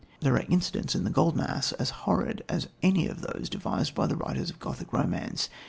There are incidents in The Golden Ass as "horrid" as any of those devised by the writers of Gothic romance.